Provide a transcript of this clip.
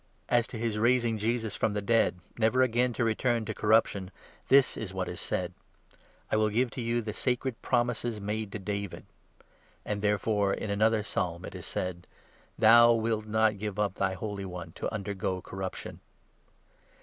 As to his raising Jesus from the dead, never again to return 34 to corruption, this is what is said —' I will give to you the sacred promises made to David ;' and, therefore, in another Psalm it is said — 35 ' Thou wilt not give up thy Holy One to undergo corruption.'